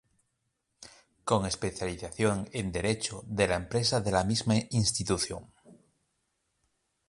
Con especialización en Derecho de la Empresa de la misma institución.